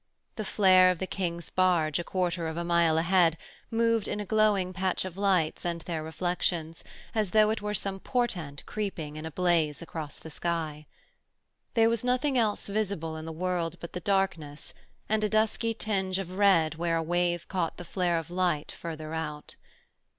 The flare of the King's barge a quarter of a mile ahead moved in a glowing patch of lights and their reflections, as though it were some portent creeping in a blaze across the sky. There was nothing else visible in the world but the darkness and a dusky tinge of red where a wave caught the flare of light further out.